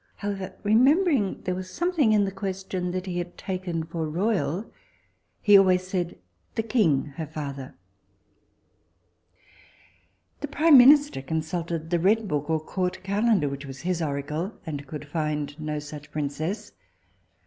However, remembring there was something in the question that he had taken for royal, he always said the king her father. The prime minister consulted the red book or court calendar, which was his oracle, and could find no such princess.